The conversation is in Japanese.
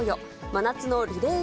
真夏のリレー